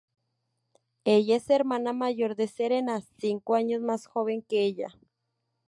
Ella es hermana mayor de Serena, cinco años más joven que ella.